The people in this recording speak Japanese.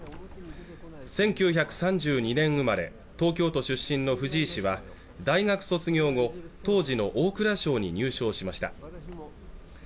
１９３２年生まれ東京都出身の藤井氏は大学卒業後当時の大蔵省に入省しました